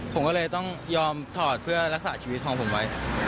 ผมก็เลยต้องยอมถอดเพื่อรักษาชีวิตของผมไว้